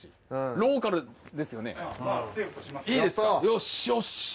よしよし。